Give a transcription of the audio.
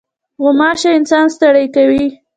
غوماشه انسان ستړی کوي.